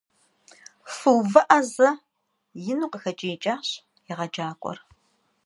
- Фыувыӏэ зэ! - ину къахэкӏиящ егъэджакӏуэр.